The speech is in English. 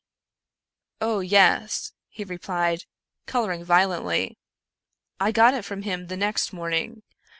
" Oh, yes," he replied, coloring violently, " I got it from him the next morning.